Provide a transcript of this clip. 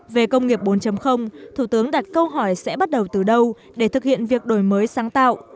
về công nghiệp bốn thủ tướng đặt câu hỏi sẽ bắt đầu từ đâu để thực hiện việc đổi mới sáng tạo